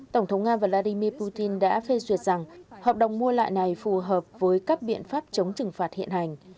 tổng thống nga vladimir putin đã phê duyệt rằng hợp đồng mua lại này phù hợp với các biện pháp chống trừng phạt hiện hành